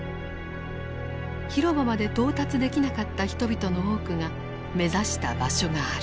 広場まで到達できなかった人々の多くが目指した場所がある。